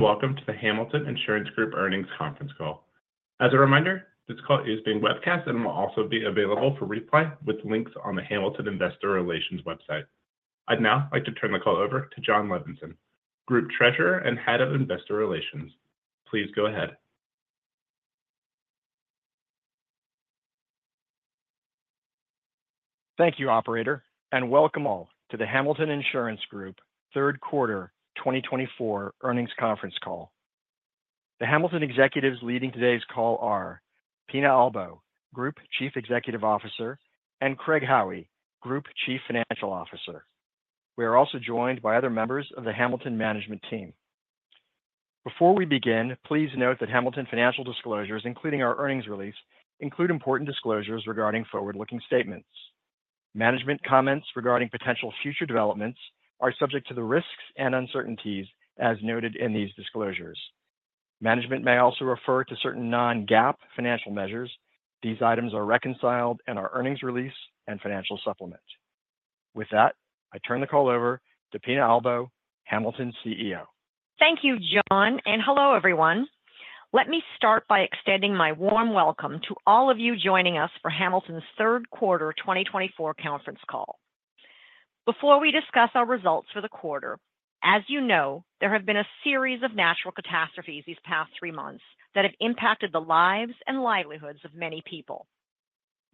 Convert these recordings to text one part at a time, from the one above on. Welcome to the Hamilton Insurance Group Earnings Conference Call. As a reminder, this call is being webcast and will also be available for replay with links on the Hamilton Investor Relations website. I'd now like to turn the call over to Jon Levenson, Group Treasurer and Head of Investor Relations. Please go ahead. Thank you, Operator, and welcome all to the Hamilton Insurance Group Third Quarter 2024 Earnings Conference Call. The Hamilton executives leading today's call are Pina Albo, Group Chief Executive Officer, and Craig Howie, Group Chief Financial Officer. We are also joined by other members of the Hamilton management team. Before we begin, please note that Hamilton financial disclosures, including our earnings release, include important disclosures regarding forward-looking statements. Management comments regarding potential future developments are subject to the risks and uncertainties as noted in these disclosures. Management may also refer to certain non-GAAP financial measures. These items are reconciled in our earnings release and financial supplement. With that, I turn the call over to Pina Albo, Hamilton's CEO. Thank you, Jon, and hello, everyone. Let me start by extending my warm welcome to all of you joining us for Hamilton's Third Quarter 2024 Conference Call. Before we discuss our results for the quarter, as you know, there have been a series of natural catastrophes these past three months that have impacted the lives and livelihoods of many people.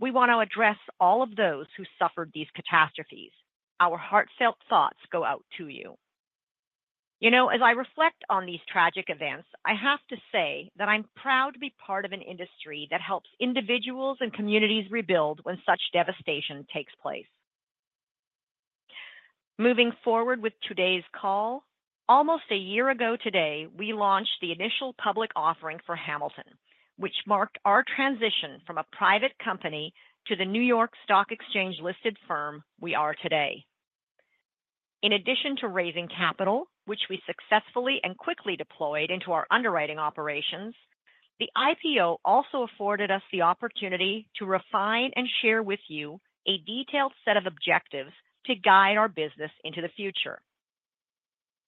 We want to address all of those who suffered these catastrophes. Our heartfelt thoughts go out to you. You know, as I reflect on these tragic events, I have to say that I'm proud to be part of an industry that helps individuals and communities rebuild when such devastation takes place. Moving forward with today's call, almost a year ago today, we launched the initial public offering for Hamilton, which marked our transition from a private company to the New York Stock Exchange-listed firm we are today. In addition to raising capital, which we successfully and quickly deployed into our underwriting operations, the IPO also afforded us the opportunity to refine and share with you a detailed set of objectives to guide our business into the future.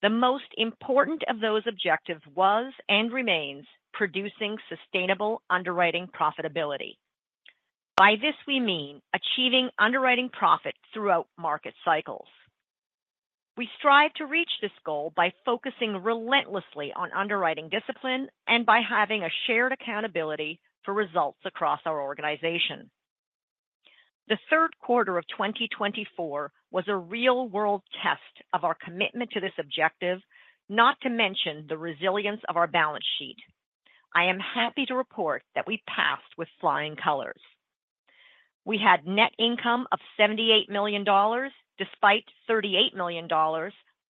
The most important of those objectives was and remains producing sustainable underwriting profitability. By this, we mean achieving underwriting profit throughout market cycles. We strive to reach this goal by focusing relentlessly on underwriting discipline and by having a shared accountability for results across our organization. The third quarter of 2024 was a real-world test of our commitment to this objective, not to mention the resilience of our balance sheet. I am happy to report that we passed with flying colors. We had net income of $78 million despite $38 million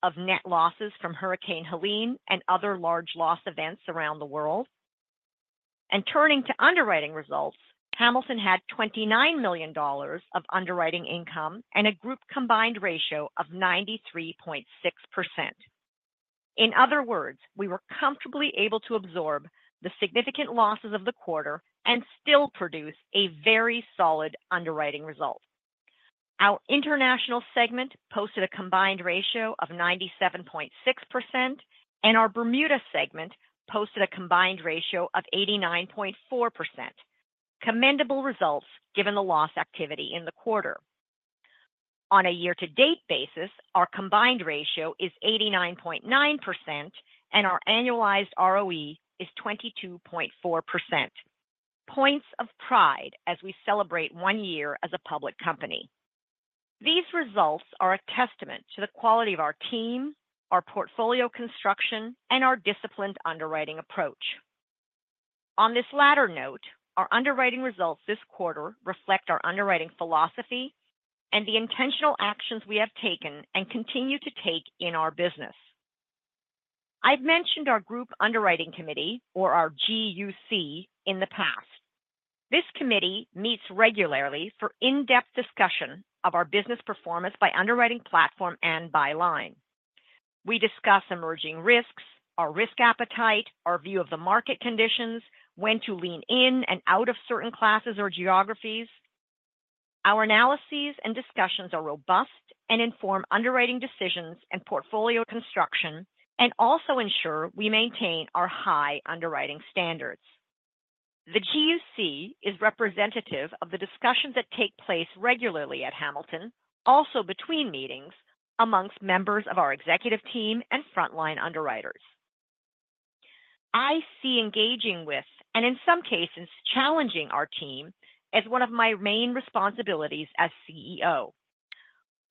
of net losses from Hurricane Helene and other large loss events around the world. Turning to underwriting results, Hamilton had $29 million of underwriting income and a group combined ratio of 93.6%. In other words, we were comfortably able to absorb the significant losses of the quarter and still produce a very solid underwriting result. Our international segment posted a combined ratio of 97.6%, and our Bermuda segment posted a combined ratio of 89.4%. Commendable results given the loss activity in the quarter. On a year-to-date basis, our combined ratio is 89.9%, and our annualized ROE is 22.4%. Points of pride as we celebrate one year as a public company. These results are a testament to the quality of our team, our portfolio construction, and our disciplined underwriting approach. On this latter note, our underwriting results this quarter reflect our underwriting philosophy and the intentional actions we have taken and continue to take in our business. I've mentioned our Group Underwriting Committee, or our GUC, in the past. This committee meets regularly for in-depth discussion of our business performance by underwriting platform and by line. We discuss emerging risks, our risk appetite, our view of the market conditions, when to lean in and out of certain classes or geographies. Our analyses and discussions are robust and inform underwriting decisions and portfolio construction, and also ensure we maintain our high underwriting standards. The GUC is representative of the discussions that take place regularly at Hamilton, also between meetings, amongst members of our executive team and frontline underwriters. I see engaging with, and in some cases challenging our team as one of my main responsibilities as CEO.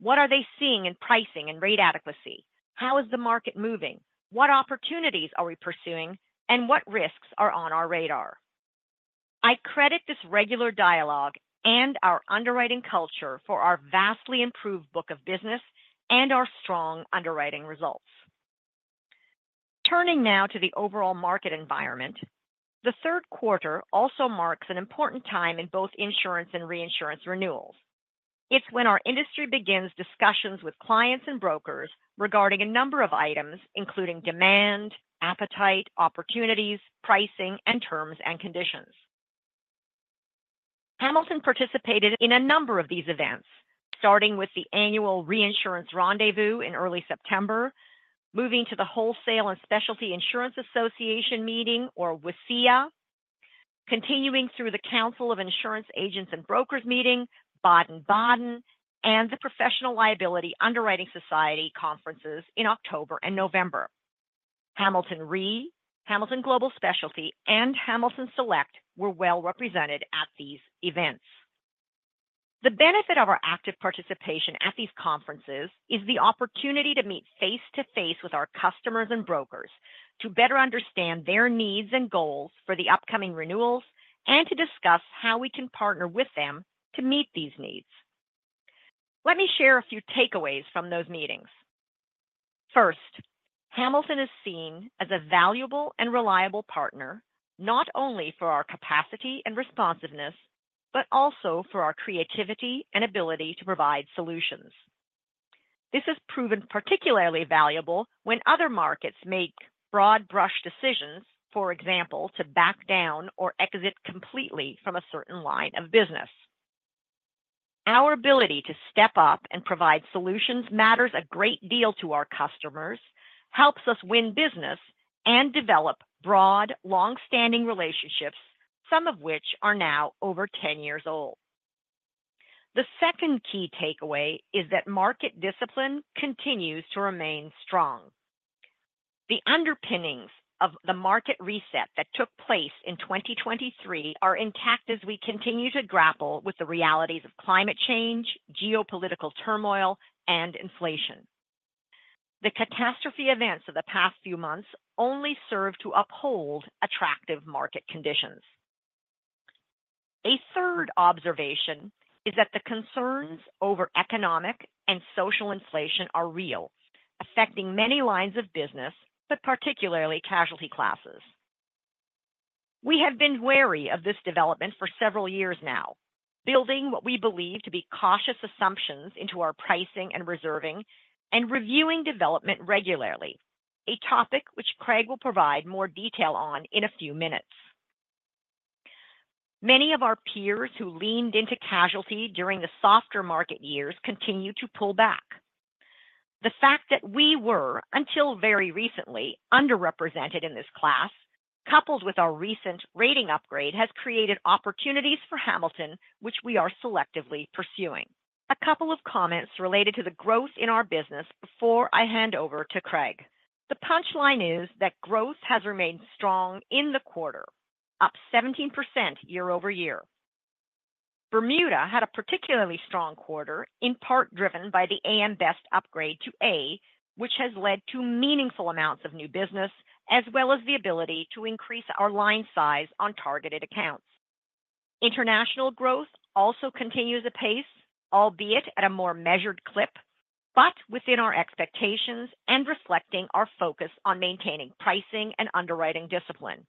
What are they seeing in pricing and rate adequacy? How is the market moving? What opportunities are we pursuing, and what risks are on our radar? I credit this regular dialogue and our underwriting culture for our vastly improved book of business and our strong underwriting results. Turning now to the overall market environment, the third quarter also marks an important time in both insurance and reinsurance renewals. It's when our industry begins discussions with clients and brokers regarding a number of items, including demand, appetite, opportunities, pricing, and terms and conditions. Hamilton participated in a number of these events, starting with the annual Reinsurance Rendez-Vous in early September, moving to the Wholesale and Specialty Insurance Association meeting, or WSIA, continuing through the Council of Insurance Agents & Brokers meeting, Baden-Baden, and the Professional Liability Underwriting Society conferences in October and November. Hamilton Re, Hamilton Global Specialty, and Hamilton Select were well represented at these events. The benefit of our active participation at these conferences is the opportunity to meet face-to-face with our customers and brokers to better understand their needs and goals for the upcoming renewals and to discuss how we can partner with them to meet these needs. Let me share a few takeaways from those meetings. First, Hamilton is seen as a valuable and reliable partner, not only for our capacity and responsiveness, but also for our creativity and ability to provide solutions. This has proven particularly valuable when other markets make broad-brush decisions, for example, to back down or exit completely from a certain line of business. Our ability to step up and provide solutions matters a great deal to our customers, helps us win business, and develop broad, long-standing relationships, some of which are now over 10 years old. The second key takeaway is that market discipline continues to remain strong. The underpinnings of the market reset that took place in 2023 are intact as we continue to grapple with the realities of climate change, geopolitical turmoil, and inflation. The catastrophe events of the past few months only serve to uphold attractive market conditions. A third observation is that the concerns over economic and social inflation are real, affecting many lines of business, but particularly casualty classes. We have been wary of this development for several years now, building what we believe to be cautious assumptions into our pricing and reserving, and reviewing development regularly, a topic which Craig will provide more detail on in a few minutes. Many of our peers who leaned into casualty during the softer market years continue to pull back. The fact that we were, until very recently, underrepresented in this class, coupled with our recent rating upgrade, has created opportunities for Hamilton, which we are selectively pursuing. A couple of comments related to the growth in our business before I hand over to Craig. The punchline is that growth has remained strong in the quarter, up 17% year-over-year. Bermuda had a particularly strong quarter, in part driven by the AM Best upgrade to A, which has led to meaningful amounts of new business, as well as the ability to increase our line size on targeted accounts. International growth also continues apace, albeit at a more measured clip, but within our expectations and reflecting our focus on maintaining pricing and underwriting discipline.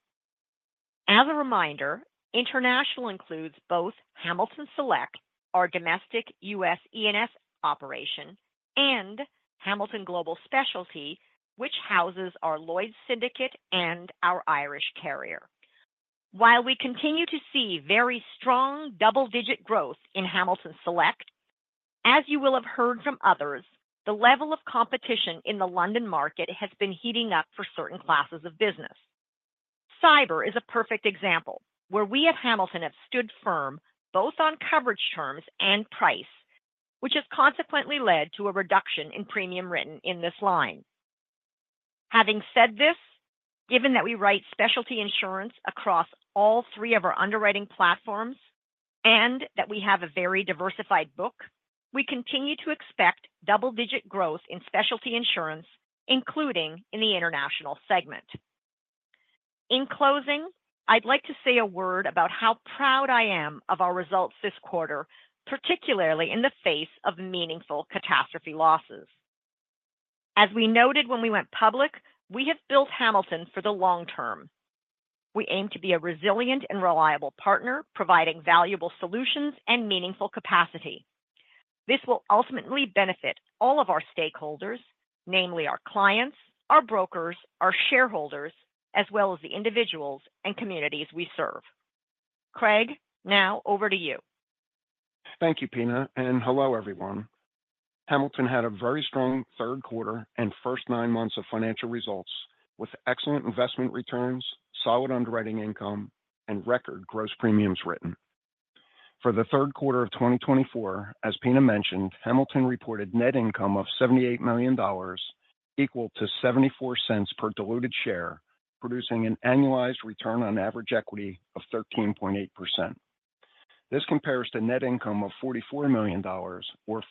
As a reminder, International includes both Hamilton Select, our domestic U.S. E&S operation, and Hamilton Global Specialty, which houses our Lloyd's Syndicate and our Irish carrier. While we continue to see very strong double-digit growth in Hamilton Select, as you will have heard from others, the level of competition in the London market has been heating up for certain classes of business. Cyber is a perfect example, where we at Hamilton have stood firm both on coverage terms and price, which has consequently led to a reduction in premium written in this line. Having said this, given that we write specialty insurance across all three of our underwriting platforms and that we have a very diversified book, we continue to expect double-digit growth in specialty insurance, including in the international segment. In closing, I'd like to say a word about how proud I am of our results this quarter, particularly in the face of meaningful catastrophe losses. As we noted when we went public, we have built Hamilton for the long term. We aim to be a resilient and reliable partner, providing valuable solutions and meaningful capacity. This will ultimately benefit all of our stakeholders, namely our clients, our brokers, our shareholders, as well as the individuals and communities we serve. Craig, now over to you. Thank you, Pina, and hello, everyone. Hamilton had a very strong third quarter and first nine months of financial results with excellent investment returns, solid underwriting income, and record gross premiums written. For the third quarter of 2024, as Pina mentioned, Hamilton reported net income of $78 million, equal to $0.74 per diluted share, producing an annualized return on average equity of 13.8%. This compares to net income of $44 million, or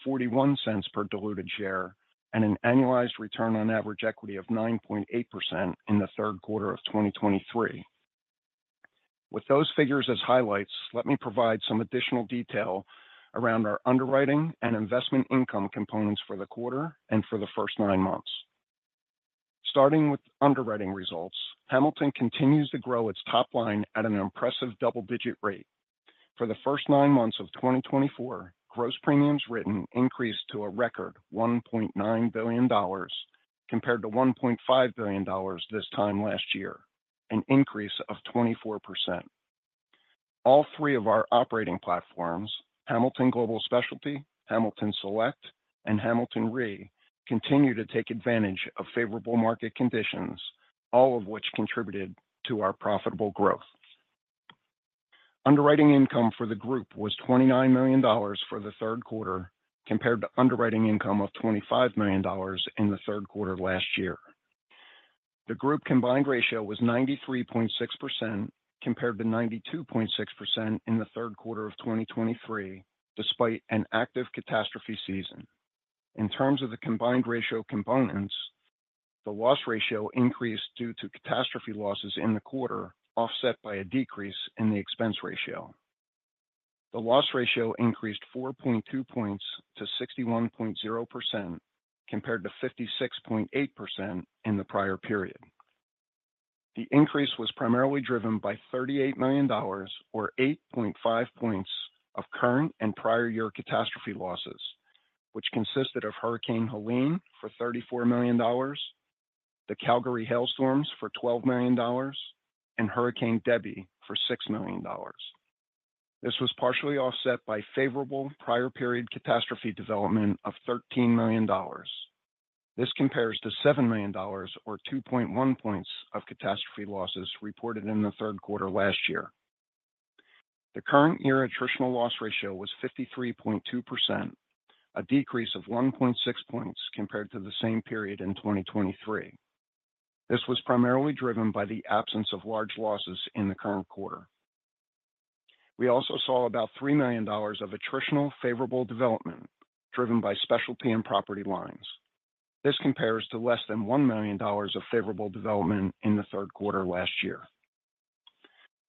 $0.41 per diluted share, and an annualized return on average equity of 9.8% in the third quarter of 2023. With those figures as highlights, let me provide some additional detail around our underwriting and investment income components for the quarter and for the first nine months. Starting with underwriting results, Hamilton continues to grow its top line at an impressive double-digit rate. For the first nine months of 2024, gross premiums written increased to a record $1.9 billion, compared to $1.5 billion this time last year, an increase of 24%. All three of our operating platforms, Hamilton Global Specialty, Hamilton Select, and Hamilton Re, continue to take advantage of favorable market conditions, all of which contributed to our profitable growth. Underwriting income for the group was $29 million for the third quarter, compared to underwriting income of $25 million in the third quarter last year. The group combined ratio was 93.6%, compared to 92.6% in the third quarter of 2023, despite an active catastrophe season. In terms of the combined ratio components, the loss ratio increased due to catastrophe losses in the quarter, offset by a decrease in the expense ratio. The loss ratio increased 4.2 points to 61.0%, compared to 56.8% in the prior period. The increase was primarily driven by $38 million, or 8.5 points, of current and prior year catastrophe losses, which consisted of Hurricane Helene for $34 million, the Calgary hailstorms for $12 million, and Hurricane Debby for $6 million. This was partially offset by favorable prior period catastrophe development of $13 million. This compares to $7 million, or 2.1 points, of catastrophe losses reported in the third quarter last year. The current year attritional loss ratio was 53.2%, a decrease of 1.6 points compared to the same period in 2023. This was primarily driven by the absence of large losses in the current quarter. We also saw about $3 million of attritional favorable development driven by specialty and property lines. This compares to less than $1 million of favorable development in the third quarter last year.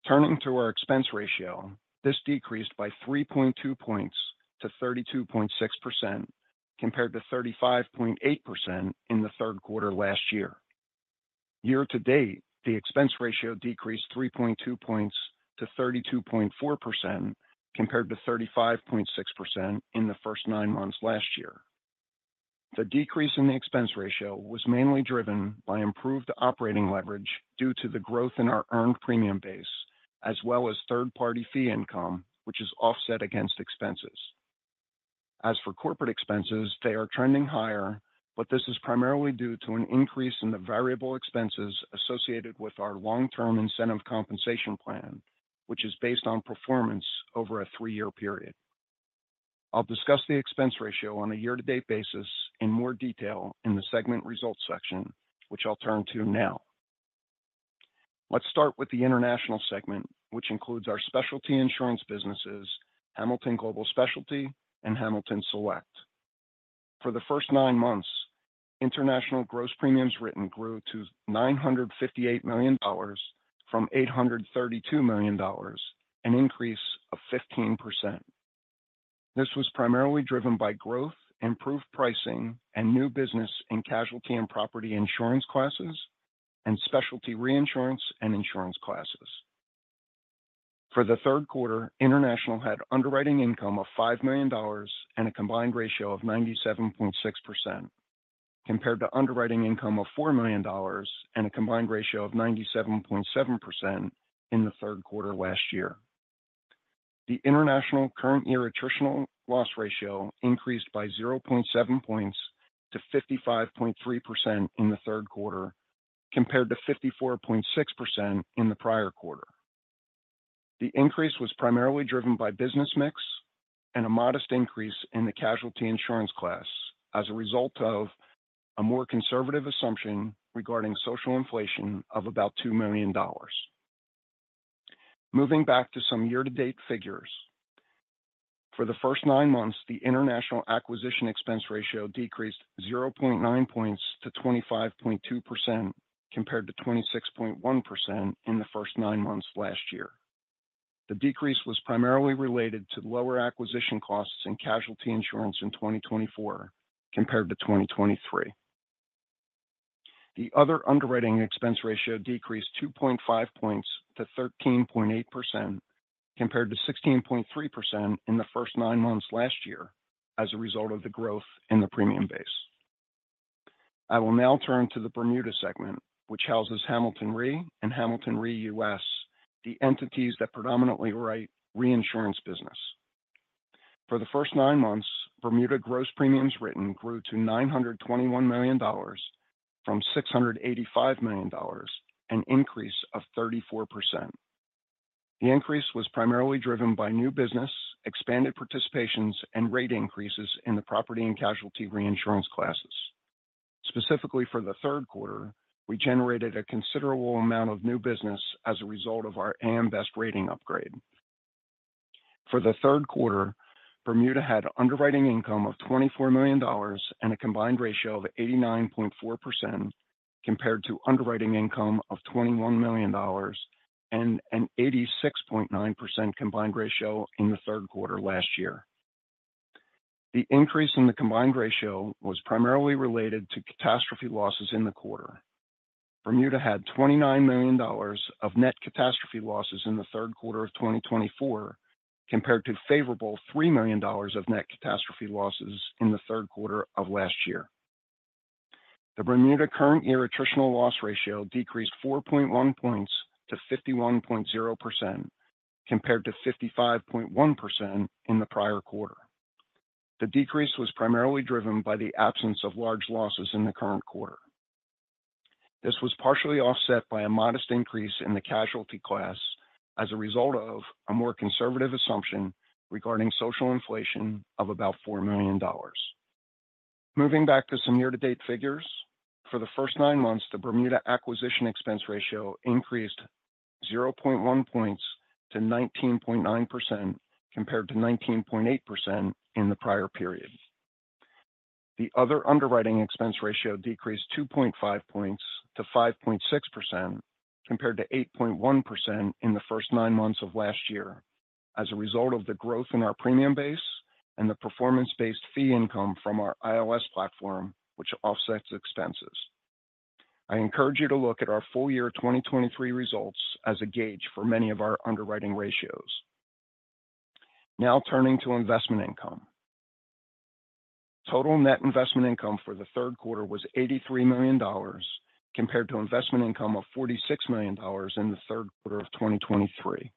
Turning to our expense ratio, this decreased by 3.2 points to 32.6%, compared to 35.8% in the third quarter last year. Year-to-date, the expense ratio decreased 3.2 points to 32.4%, compared to 35.6% in the first nine months last year. The decrease in the expense ratio was mainly driven by improved operating leverage due to the growth in our earned premium base, as well as third-party fee income, which is offset against expenses. As for corporate expenses, they are trending higher, but this is primarily due to an increase in the variable expenses associated with our long-term incentive compensation plan, which is based on performance over a three-year period. I'll discuss the expense ratio on a year-to-date basis in more detail in the segment results section, which I'll turn to now. Let's start with the international segment, which includes our specialty insurance businesses, Hamilton Global Specialty, and Hamilton Select. For the first nine months, international gross premiums written grew to $958 million from $832 million, an increase of 15%. This was primarily driven by growth, improved pricing, and new business in casualty and property insurance classes, and specialty reinsurance and insurance classes. For the third quarter, international had underwriting income of $5 million and a combined ratio of 97.6%, compared to underwriting income of $4 million and a combined ratio of 97.7% in the third quarter last year. The international current year attritional loss ratio increased by 0.7 points to 55.3% in the third quarter, compared to 54.6% in the prior quarter. The increase was primarily driven by business mix and a modest increase in the casualty insurance class, as a result of a more conservative assumption regarding social inflation of about $2 million. Moving back to some year-to-date figures. For the first nine months, the international acquisition expense ratio decreased 0.9 points to 25.2%, compared to 26.1% in the first nine months last year. The decrease was primarily related to lower acquisition costs in casualty insurance in 2024, compared to 2023. The other underwriting expense ratio decreased 2.5 points to 13.8%, compared to 16.3% in the first nine months last year, as a result of the growth in the premium base. I will now turn to the Bermuda segment, which houses Hamilton Re and Hamilton Re US, the entities that predominantly write reinsurance business. For the first nine months, Bermuda gross premiums written grew to $921 million from $685 million, an increase of 34%. The increase was primarily driven by new business, expanded participations, and rate increases in the property and casualty reinsurance classes. Specifically for the third quarter, we generated a considerable amount of new business as a result of our AM Best rating upgrade. For the third quarter, Bermuda had underwriting income of $24 million and a combined ratio of 89.4%, compared to underwriting income of $21 million and an 86.9% combined ratio in the third quarter last year. The increase in the combined ratio was primarily related to catastrophe losses in the quarter. Bermuda had $29 million of net catastrophe losses in the third quarter of 2024, compared to favorable $3 million of net catastrophe losses in the third quarter of last year. The Bermuda current year attritional loss ratio decreased 4.1 points to 51.0%, compared to 55.1% in the prior quarter. The decrease was primarily driven by the absence of large losses in the current quarter. This was partially offset by a modest increase in the casualty class, as a result of a more conservative assumption regarding social inflation of about $4 million. Moving back to some year-to-date figures. For the first nine months, the Bermuda acquisition expense ratio increased 0.1 points to 19.9%, compared to 19.8% in the prior period. The other underwriting expense ratio decreased 2.5 points to 5.6%, compared to 8.1% in the first nine months of last year, as a result of the growth in our premium base and the performance-based fee income from our ILS platform, which offsets expenses. I encourage you to look at our full year 2023 results as a gauge for many of our underwriting ratios. Now turning to investment income. Total net investment income for the third quarter was $83 million, compared to investment income of $46 million in the third quarter of 2023.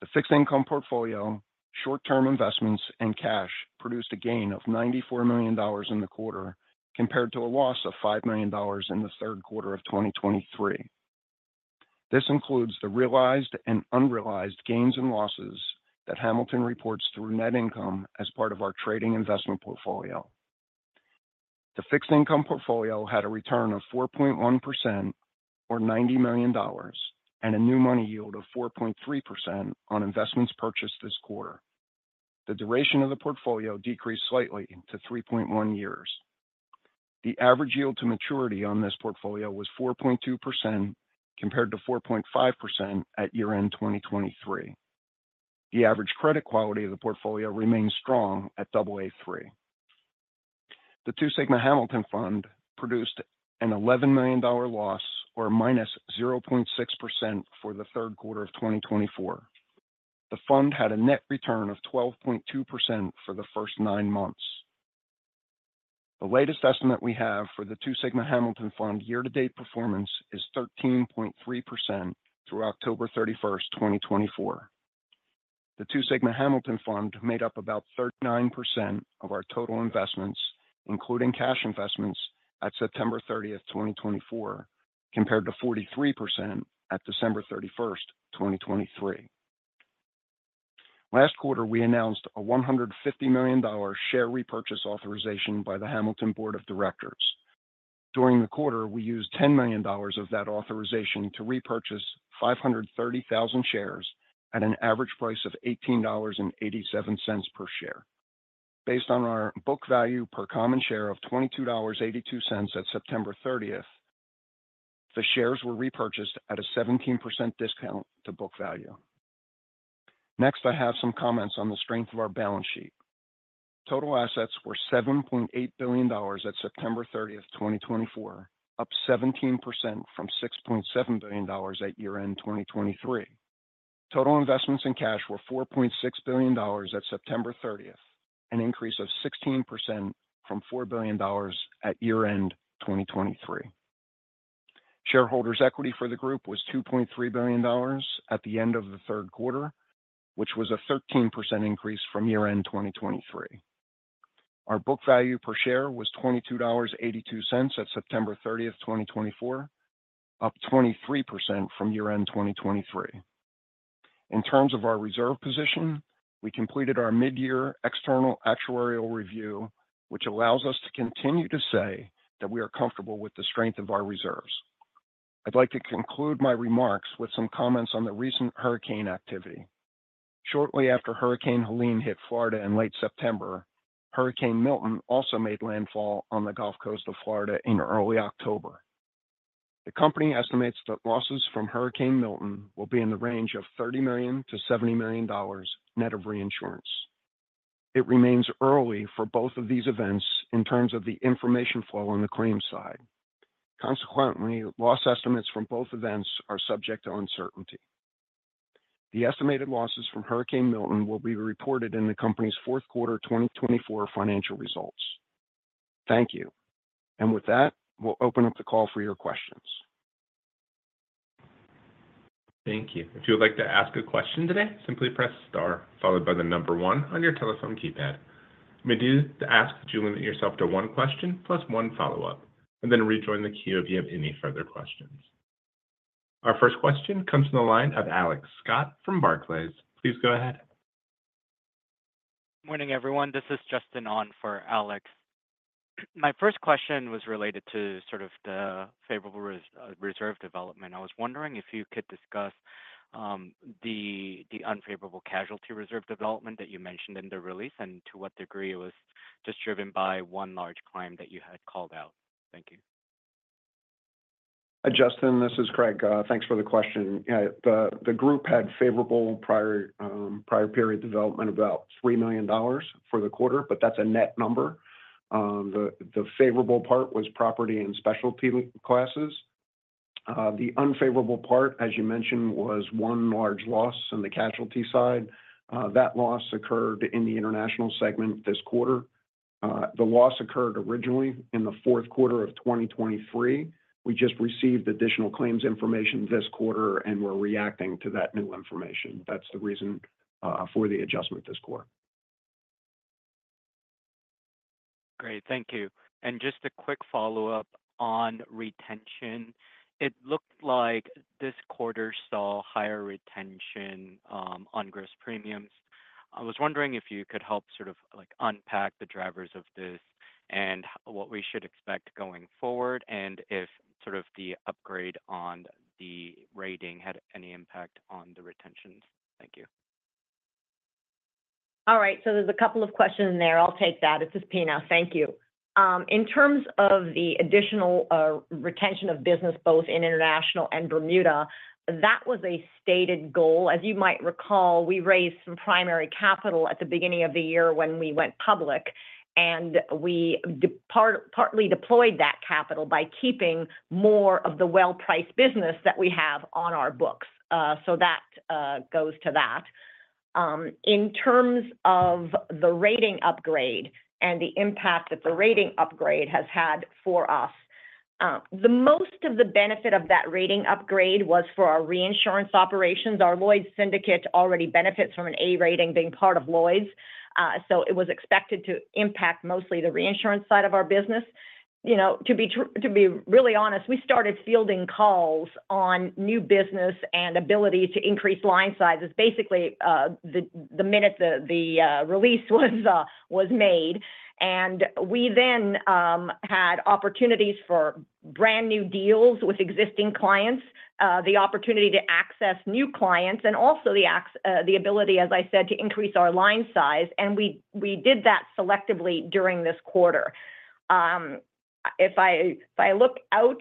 The fixed income portfolio, short-term investments, and cash produced a gain of $94 million in the quarter, compared to a loss of $5 million in the third quarter of 2023. This includes the realized and unrealized gains and losses that Hamilton reports through net income as part of our trading investment portfolio. The fixed income portfolio had a return of 4.1%, or $90 million, and a new money yield of 4.3% on investments purchased this quarter. The duration of the portfolio decreased slightly to 3.1 years. The average yield to maturity on this portfolio was 4.2%, compared to 4.5% at year-end 2023. The average credit quality of the portfolio remains strong at Aa3. The Two Sigma Hamilton Fund produced an $11 million loss, or -0.6%, for the third quarter of 2024. The fund had a net return of 12.2% for the first nine months. The latest estimate we have for the Two Sigma Hamilton Fund year-to-date performance is 13.3% through October 31, 2024. The Two Sigma Hamilton Fund made up about 39% of our total investments, including cash investments, at September 30, 2024, compared to 43% at December 31, 2023. Last quarter, we announced a $150 million share repurchase authorization by the Hamilton Board of Directors. During the quarter, we used $10 million of that authorization to repurchase 530,000 shares at an average price of $18.87 per share. Based on our book value per common share of $22.82 at September 30, the shares were repurchased at a 17% discount to book value. Next, I have some comments on the strength of our balance sheet. Total assets were $7.8 billion at September 30, 2024, up 17% from $6.7 billion at year-end 2023. Total investments in cash were $4.6 billion at September 30, an increase of 16% from $4 billion at year-end 2023. Shareholders' equity for the group was $2.3 billion at the end of the third quarter, which was a 13% increase from year-end 2023. Our book value per share was $22.82 at September 30, 2024, up 23% from year-end 2023. In terms of our reserve position, we completed our mid-year external actuarial review, which allows us to continue to say that we are comfortable with the strength of our reserves. I'd like to conclude my remarks with some comments on the recent hurricane activity. Shortly after Hurricane Helene hit Florida in late September, Hurricane Milton also made landfall on the Gulf Coast of Florida in early October. The company estimates that losses from Hurricane Milton will be in the range of $30 million-$70 million net of reinsurance. It remains early for both of these events in terms of the information flow on the claims side. Consequently, loss estimates from both events are subject to uncertainty. The estimated losses from Hurricane Milton will be reported in the company's fourth quarter 2024 financial results. Thank you. And with that, we'll open up the call for your questions. Thank you. If you would like to ask a question today, simply press star, followed by the number one on your telephone keypad. I'm going to ask that you limit yourself to one question plus one follow-up, and then rejoin the queue if you have any further questions. Our first question comes from the line of Alex Scott from Barclays. Please go ahead. Good morning, everyone. This is Justin on for Alex. My first question was related to sort of the favorable reserve development. I was wondering if you could discuss the unfavorable casualty reserve development that you mentioned in the release and to what degree it was just driven by one large claim that you had called out? Thank you. Justin, this is Craig. Thanks for the question. The group had favorable prior period development of about $3 million for the quarter, but that's a net number. The favorable part was property and specialty classes. The unfavorable part, as you mentioned, was one large loss on the casualty side. That loss occurred in the international segment this quarter. The loss occurred originally in the fourth quarter of 2023. We just received additional claims information this quarter and were reacting to that new information. That's the reason for the adjustment this quarter. Great. Thank you, and just a quick follow-up on retention. It looked like this quarter saw higher retention on gross premiums. I was wondering if you could help sort of unpack the drivers of this and what we should expect going forward and if sort of the upgrade on the rating had any impact on the retentions? Thank you. All right. So there's a couple of questions in there. I'll take that. This is Pina. Thank you. In terms of the additional retention of business, both in international and Bermuda, that was a stated goal. As you might recall, we raised some primary capital at the beginning of the year when we went public, and we partly deployed that capital by keeping more of the well-priced business that we have on our books. So that goes to that. In terms of the rating upgrade and the impact that the rating upgrade has had for us, the most of the benefit of that rating upgrade was for our reinsurance operations. Our Lloyd's Syndicate already benefits from an A rating being part of Lloyd's. So it was expected to impact mostly the reinsurance side of our business. To be really honest, we started fielding calls on new business and ability to increase line sizes, basically the minute the release was made. And we then had opportunities for brand new deals with existing clients, the opportunity to access new clients, and also the ability, as I said, to increase our line size. And we did that selectively during this quarter. If I look out,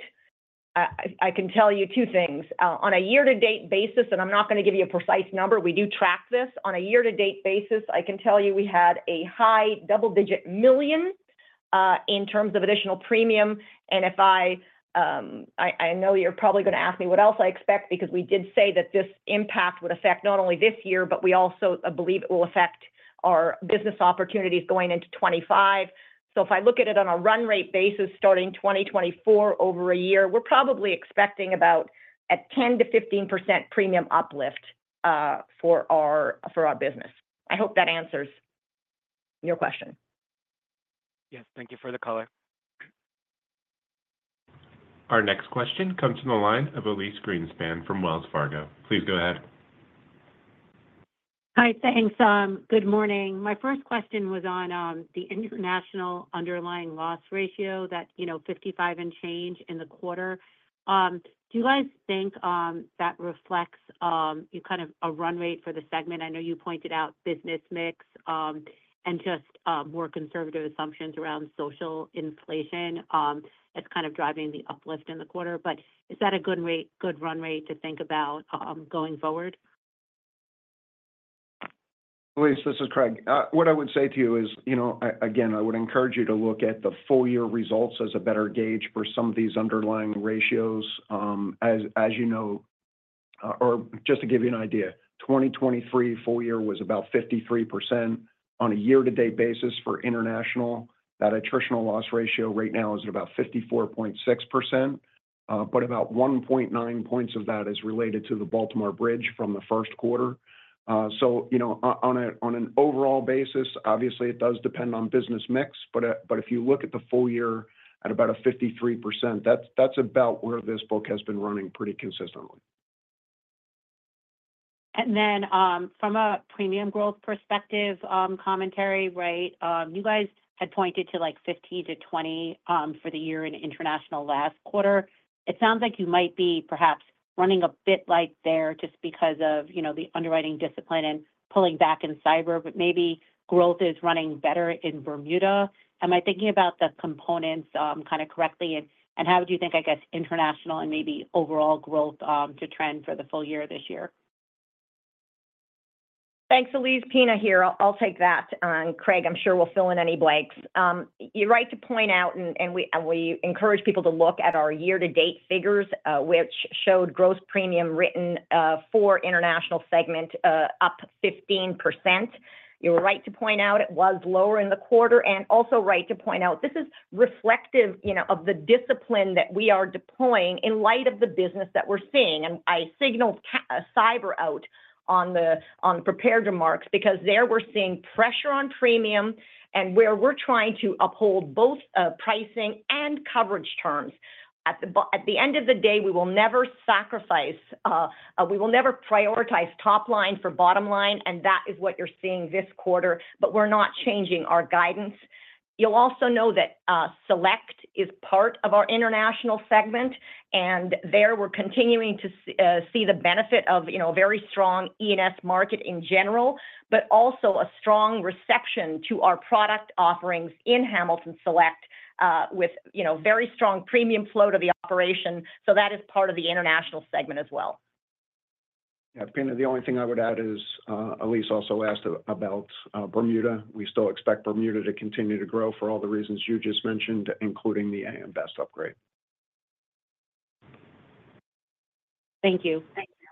I can tell you two things. On a year-to-date basis, and I'm not going to give you a precise number, we do track this. On a year-to-date basis, I can tell you we had a high double-digit million in terms of additional premium. And I know you're probably going to ask me what else I expect because we did say that this impact would affect not only this year, but we also believe it will affect our business opportunities going into 2025. If I look at it on a run rate basis starting 2024 over a year, we're probably expecting about a 10%-15% premium uplift for our business. I hope that answers your question. Yes. Thank you for the color. Our next question comes from the line of Elyse Greenspan from Wells Fargo. Please go ahead. Hi. Thanks. Good morning. My first question was on the international underlying loss ratio, that 55% and change in the quarter. Do you guys think that reflects kind of a run rate for the segment? I know you pointed out business mix and just more conservative assumptions around social inflation as kind of driving the uplift in the quarter. But is that a good run rate to think about going forward? Elyse, this is Craig. What I would say to you is, again, I would encourage you to look at the full year results as a better gauge for some of these underlying ratios. As you know, or just to give you an idea, 2023 full year was about 53% on a year-to-date basis for international. That attritional loss ratio right now is at about 54.6%, but about 1.9 points of that is related to the Baltimore Bridge from the first quarter. So on an overall basis, obviously, it does depend on business mix. But if you look at the full year at about a 53%, that's about where this book has been running pretty consistently. From a premium growth perspective commentary, right, you guys had pointed to like 50%-20% for the year in international last quarter. It sounds like you might be perhaps running a bit like there just because of the underwriting discipline and pulling back in cyber, but maybe growth is running better in Bermuda. Am I thinking about the components kind of correctly? And how would you think, I guess, international and maybe overall growth to trend for the full year this year? Thanks. Elise, Pina here. I'll take that. Craig, I'm sure we'll fill in any blanks. You're right to point out, and we encourage people to look at our year-to-date figures, which showed gross premium written for international segment up 15%. You were right to point out it was lower in the quarter. Also right to point out this is reflective of the discipline that we are deploying in light of the business that we're seeing. I signaled cyber out on the prepared remarks because there we're seeing pressure on premium and where we're trying to uphold both pricing and coverage terms. At the end of the day, we will never sacrifice. We will never prioritize top line for bottom line. That is what you're seeing this quarter. But we're not changing our guidance. You'll also know that Select is part of our international segment. There we're continuing to see the benefit of a very strong E&S market in general, but also a strong reception to our product offerings in Hamilton Select with very strong premium flow to the operation. So that is part of the international segment as well. Yeah. Pina, the only thing I would add is Elyse also asked about Bermuda. We still expect Bermuda to continue to grow for all the reasons you just mentioned, including the AM Best upgrade. Thank you. Thank you.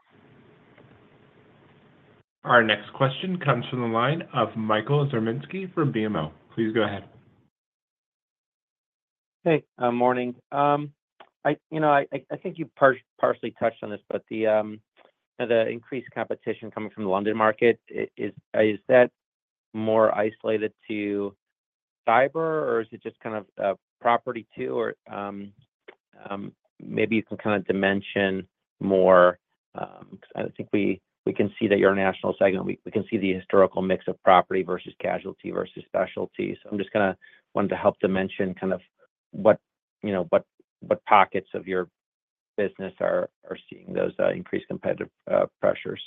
Our next question comes from the line of Michael Zaremski from BMO. Please go ahead. Hey. Morning. I think you partially touched on this, but the increased competition coming from the London market, is that more isolated to cyber, or is it just kind of property too? Or maybe you can kind of dimension more because I think we can see that your international segment, we can see the historical mix of property versus casualty versus specialty. So I just kind of wanted to help dimension kind of what pockets of your business are seeing those increased competitive pressures.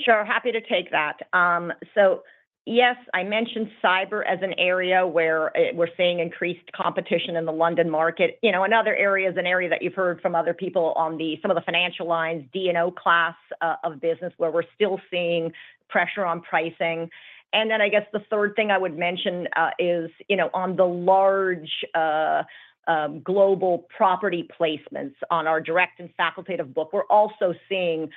Sure. Happy to take that. So yes, I mentioned cyber as an area where we're seeing increased competition in the London market. Another area is an area that you've heard from other people on some of the financial lines, D&O class of business, where we're still seeing pressure on pricing. Then I guess the third thing I would mention is on the large global property placements on our direct and facultative book, we're also seeing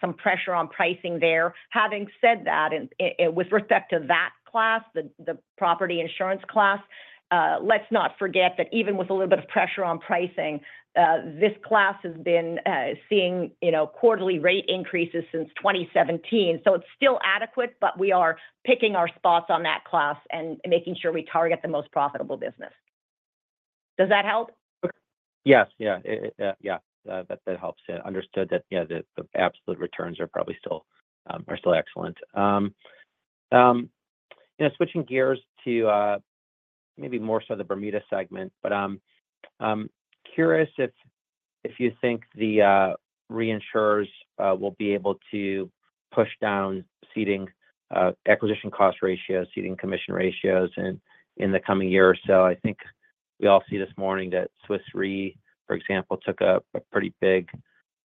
some pressure on pricing there. Having said that, with respect to that class, the property insurance class, let's not forget that even with a little bit of pressure on pricing, this class has been seeing quarterly rate increases since 2017. So it's still adequate, but we are picking our spots on that class and making sure we target the most profitable business. Does that help? Yes. Yeah. Yeah. That helps. Understood that the absolute returns are probably still excellent. Switching gears to maybe more so the Bermuda segment, but I'm curious if you think the reinsurers will be able to push down ceding acquisition cost ratios, ceding commission ratios in the coming year or so. I think we all see this morning that Swiss Re, for example, took a pretty big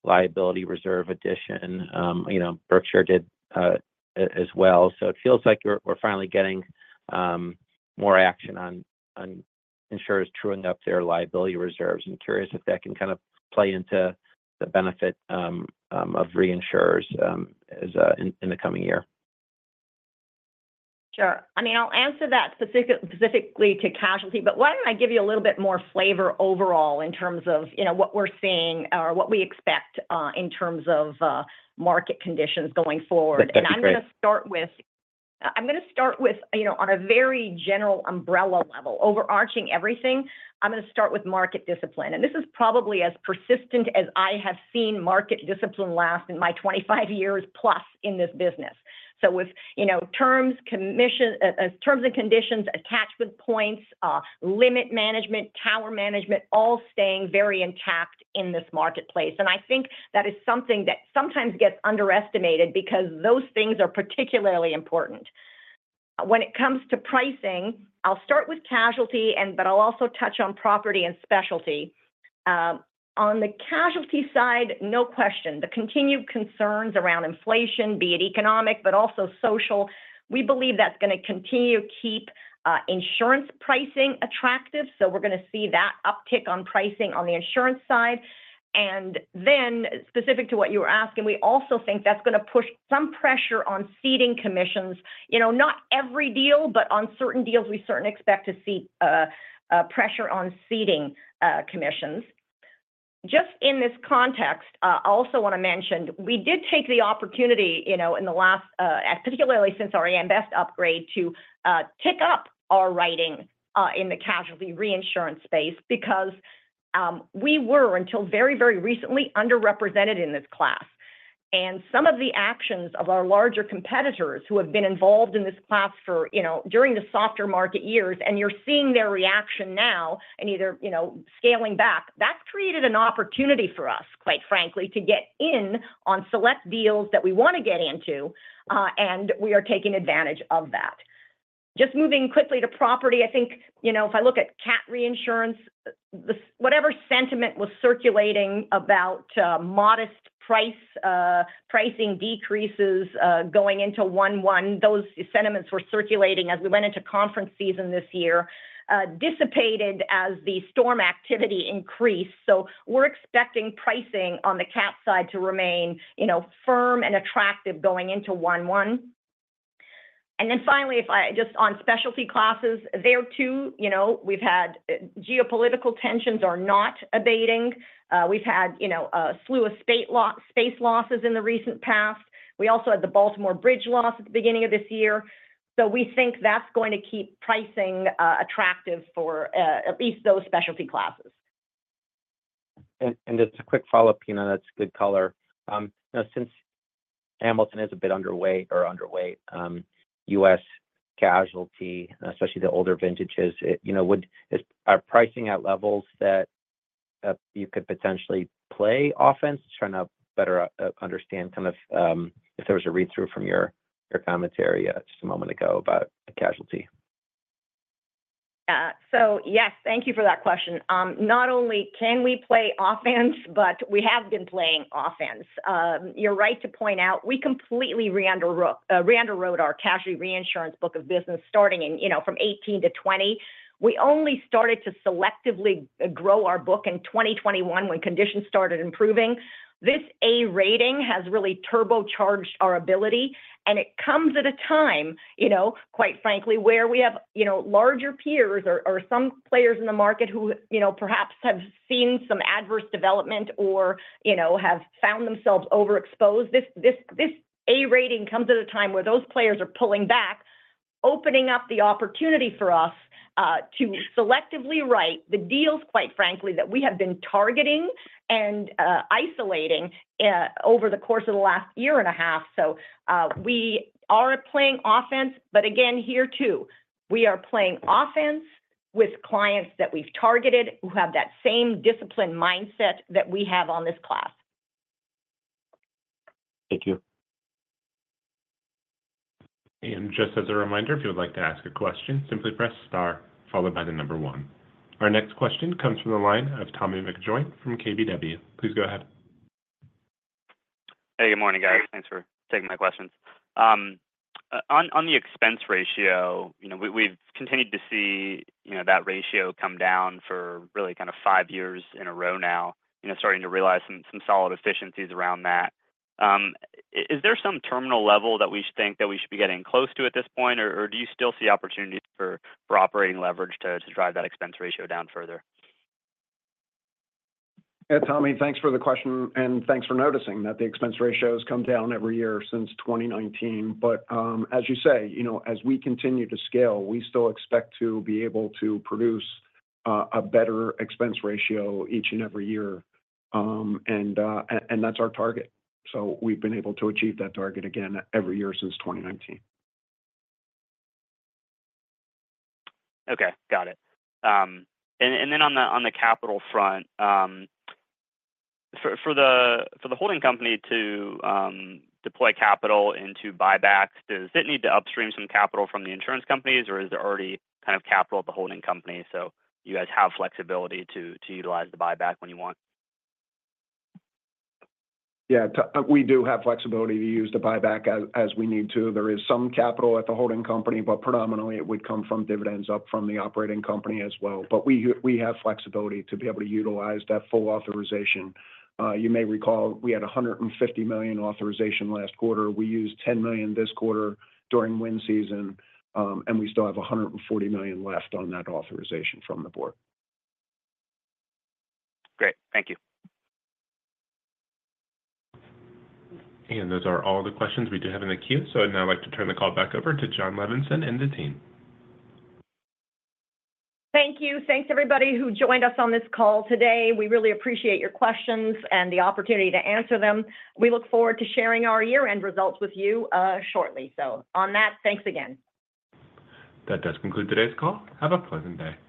liability reserve addition. Berkshire did as well. So it feels like we're finally getting more action on insurers truing up their liability reserves. I'm curious if that can kind of play into the benefit of reinsurers in the coming year. Sure. I mean, I'll answer that specifically to casualty, but why don't I give you a little bit more flavor overall in terms of what we're seeing or what we expect in terms of market conditions going forward. And I'm going to start with, on a very general umbrella level, overarching everything, market discipline. And this is probably as persistent as I have seen market discipline last in my 25 years+ in this business. So with terms and conditions, attachment points, limit management, tower management, all staying very intact in this marketplace. And I think that is something that sometimes gets underestimated because those things are particularly important. When it comes to pricing, I'll start with casualty, but I'll also touch on property and specialty. On the casualty side, no question. The continued concerns around inflation, be it economic but also social, we believe that's going to continue to keep insurance pricing attractive, so we're going to see that uptick on pricing on the insurance side, and then specific to what you were asking, we also think that's going to push some pressure on ceding commissions. Not every deal, but on certain deals, we certainly expect to see pressure on ceding commissions. Just in this context, I also want to mention we did take the opportunity in the last, particularly since our AM Best upgrade, to tick up our writing in the casualty reinsurance space because we were until very, very recently underrepresented in this class. And some of the actions of our larger competitors who have been involved in this class during the softer market years, and you're seeing their reaction now and either scaling back, that created an opportunity for us, quite frankly, to get in on select deals that we want to get into. And we are taking advantage of that. Just moving quickly to property, I think if I look at CAT reinsurance, whatever sentiment was circulating about modest pricing decreases going into 1/1, those sentiments were circulating as we went into conference season this year, dissipated as the storm activity increased. So we're expecting pricing on the CAT side to remain firm and attractive going into 1/1. And then finally, just on specialty classes, there too, we've had geopolitical tensions are not abating. We've had a slew of space losses in the recent past. We also had the Baltimore Bridge loss at the beginning of this year. So we think that's going to keep pricing attractive for at least those specialty classes. Just a quick follow-up, Pina. That's good color. Since Hamilton is a bit underweight, U.S. casualty, especially the older vintages, are pricing at levels that you could potentially play offense? Trying to better understand kind of if there was a read-through from your commentary just a moment ago about casualty. Yeah. So yes, thank you for that question. Not only can we play offense, but we have been playing offense. You're right to point out we completely re-underwrote our casualty reinsurance book of business starting from 2018-2020. We only started to selectively grow our book in 2021 when conditions started improving. This A rating has really turbocharged our ability. And it comes at a time, quite frankly, where we have larger peers or some players in the market who perhaps have seen some adverse development or have found themselves overexposed. This A rating comes at a time where those players are pulling back, opening up the opportunity for us to selectively write the deals, quite frankly, that we have been targeting and isolating over the course of the last year and a half. So we are playing offense, but again, here too, we are playing offense with clients that we've targeted who have that same discipline mindset that we have on this class. Thank you. And just as a reminder, if you would like to ask a question, simply press star, followed by the number one. Our next question comes from the line of Tommy McJoynt from KBW. Please go ahead. Hey. Good morning, guys. Thanks for taking my questions. On the expense ratio, we've continued to see that ratio come down for really kind of five years in a row now, starting to realize some solid efficiencies around that. Is there some terminal level that we think that we should be getting close to at this point, or do you still see opportunities for operating leverage to drive that expense ratio down further? Yeah, Tommy, thanks for the question. And thanks for noticing that the expense ratios come down every year since 2019. But as you say, as we continue to scale, we still expect to be able to produce a better expense ratio each and every year. And that's our target. So we've been able to achieve that target again every year since 2019. Okay. Got it. And then on the capital front, for the holding company to deploy capital into buybacks, does it need to upstream some capital from the insurance companies, or is there already kind of capital at the holding company so you guys have flexibility to utilize the buyback when you want? Yeah. We do have flexibility to use the buyback as we need to. There is some capital at the holding company, but predominantly it would come from dividends up from the operating company as well. But we have flexibility to be able to utilize that full authorization. You may recall we had $150 million authorization last quarter. We used $10 million this quarter during wind season, and we still have $140 million left on that authorization from the board. Great. Thank you. Those are all the questions we do have in the queue. Now I'd like to turn the call back over to Jon Levenson and the team. Thank you. Thanks, everybody who joined us on this call today. We really appreciate your questions and the opportunity to answer them. We look forward to sharing our year-end results with you shortly. So on that, thanks again. That does conclude today's call. Have a pleasant day.